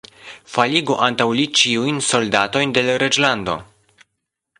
Faligu antaŭ li ĉiujn soldatojn de l' reĝlando!